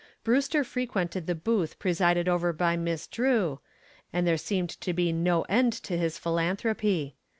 Brewster frequented the booth presided over by Miss Drew, and there seemed to be no end to his philanthropy.